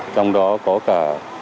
trong đó có cả